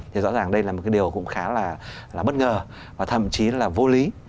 thì rõ ràng đây là một cái điều cũng khá là bất ngờ và thậm chí là vô lý